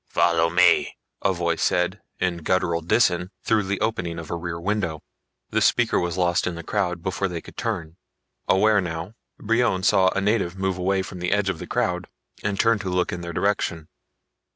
"Follow me," a voice said in guttural Disan through the opening of a rear window. The speaker was lost in the crowd before they could turn. Aware now, Brion saw a native move away from the edge of the crowd and turn to look in their direction.